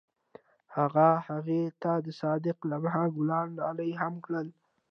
هغه هغې ته د صادق لمحه ګلان ډالۍ هم کړل.